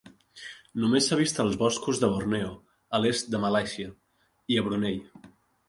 Només s'ha vist als boscos de Borneo, a l'est de Malàisia, i a Brunei.